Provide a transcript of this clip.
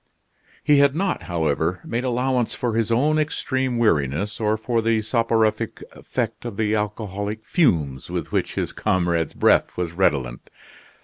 He had not, however, made allowance for his own extreme weariness or for the soporific effect of the alcoholic fumes with which his comrade's breath was redolent.